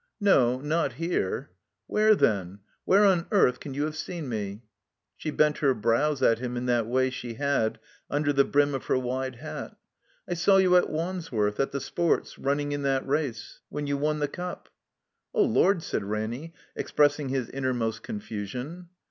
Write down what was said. "No. Not here." "Where, then? Where on earth can you have seen me?" She bent her brows at him in that way she had, tmder the brim of her wide hat. "I saw you at Wandsworth — at the Sports — running in that race. When you won the cup." "Oh, Lord," said Ranny, expressing his innermost confusion.